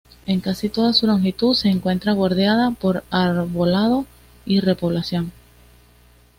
En casi toda su longitud se encuentra bordeada por arbolado de repoblación.